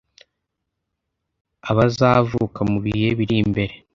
Abazavuka mu bihe biri imbere